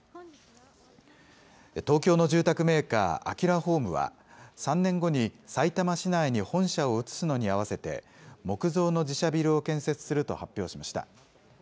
東京の住宅メーカー、アキュラホームは、３年後にさいたま市内に本社を移すのに合わせて、木造の自社ビルを建設すると発表しました。